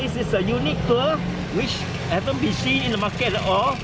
ini adalah tur unik yang belum diperlihatkan di pasar